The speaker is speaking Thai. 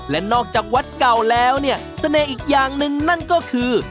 และนอกจากวัดเก่าแล้วเนี่ยเสน่ห์อีกอย่างหนึ่งนั่นก็คือ